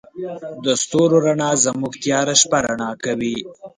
د ستورو رڼا زموږ تیاره شپه رڼا کوي.